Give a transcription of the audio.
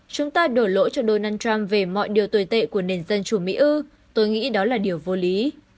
chúng ta đổ lỗi cho donald trump về mọi điều tồi tệ của nền dân chủ mỹ ưu tôi nghĩ đó là điều vô lý